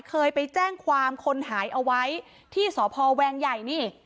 เคยไปแจ้งความคนหายเอาไว้ที่สพแวงใหญ่นี่